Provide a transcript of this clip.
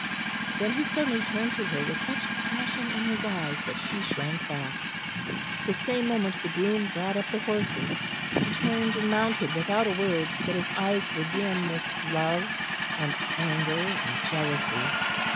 Then he suddenly turned to her with such passion in his eyes that she shrank back. At the same moment the groom brought up the horses; he turned and mounted without a word, but his eyes were dim with love and anger and jealousy.